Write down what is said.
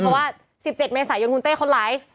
เพราะว่า๑๗เมษายนคุณเต้คนร้าย